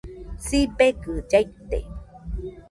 Sibegɨ llaite